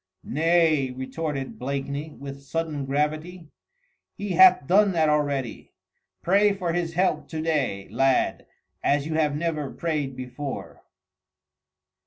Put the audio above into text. "Nay!" retorted Blakeney with sudden gravity. "He hath done that already. Pray for His help to day, lad, as you have never prayed before."